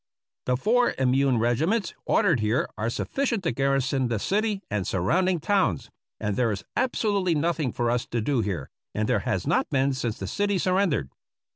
The four immune regiments ordered here are sufficient to garrison the city and surrounding towns, and there is absolutely nothing for us to do here, and there has not been since the city surrendered.